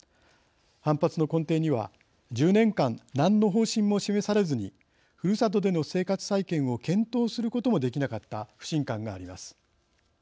反発の根底には、１０年間何の方針も示されずにふるさとでの生活再建を検討することもできなかった不信感があります。